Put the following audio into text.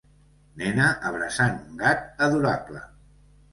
Nena abraçant un gat adorable